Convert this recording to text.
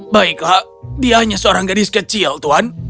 baiklah dia hanya seorang gadis kecil tuan